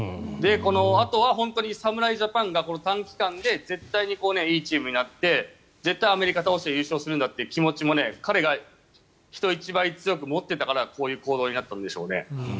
あとは侍ジャパンが短期間で絶対にいいチームになって絶対にアメリカ倒して優勝するんだという気持ちも彼が人一倍強く持ってたからこういう行動になったんでしょうね。